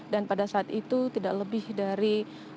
dan pada saat itu tidak lebih dari